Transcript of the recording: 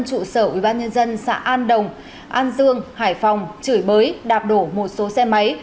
tại cơ quan chủ sở ubnd xã an đồng an dương hải phòng chửi bới đạp đổ một số xe máy